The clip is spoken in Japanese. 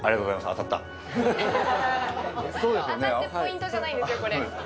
当たった当たってポイントじゃないんですよ